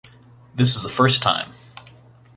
This is the first time.